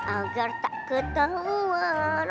agar tak ketahuan